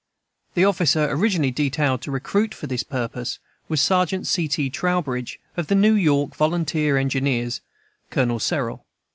The officer originally detailed to recruit for this purpose was Sergeant C. T. Trowbridge, of the New York Volunteer Engineers (Col. Serrell).